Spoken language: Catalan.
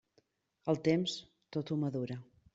El temps, tot ho madura.